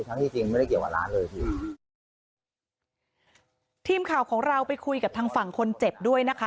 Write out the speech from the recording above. ที่จริงไม่ได้เกี่ยวกับร้านเลยพี่ทีมข่าวของเราไปคุยกับทางฝั่งคนเจ็บด้วยนะคะ